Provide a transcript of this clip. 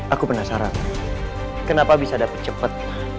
aku penasaran kenapa bisa dapet cepet